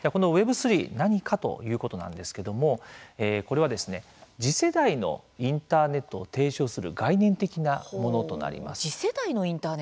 このＷｅｂ３何かということなんですけれどもこれは次世代のインターネットを提唱する概念的なものとなります。